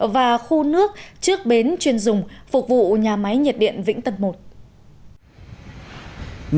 và khu nước trước bến chuyên dùng phục vụ nhà máy nhiệt điện vĩnh tân một